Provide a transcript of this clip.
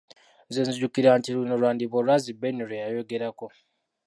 Ne nzijukira nti luno lwandiba olwazi Ben lwe yayogerako.